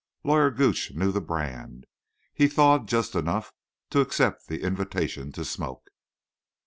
Lawyer Gooch knew the brand. He thawed just enough to accept the invitation to smoke.